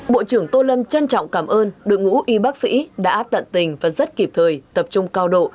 bộ trưởng tô lâm trân trọng cảm ơn đội ngũ y bác sĩ đã tận tình và rất kịp thời tập trung cao độ